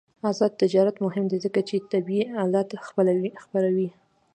آزاد تجارت مهم دی ځکه چې طبي آلات خپروي.